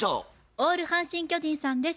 オール阪神・巨人さんです。